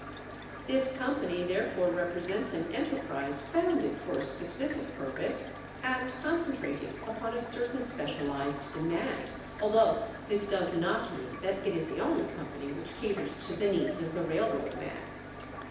This company therefore represents an enterprise founded for a specific purpose and concentrating upon a certain specialized demand, although this does not mean that it is the only company which caters to the needs of the railroad man.